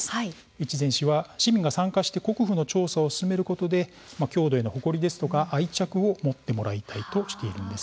越前市は、市民が参加して国府の調査を進めることで郷土への誇りや愛着を持ってもらいたいとしているんです。